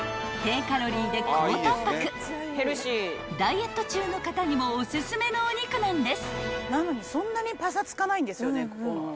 ［ダイエット中の方にもおすすめのお肉なんです］